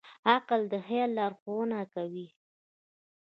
عقل د خیال لارښوونه کوي.